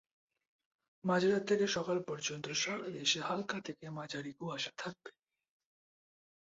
মধ্যরাত থেকে সকাল পর্যন্ত সারা দেশে হালকা থেকে মাঝারি কুয়াশা থাকবে।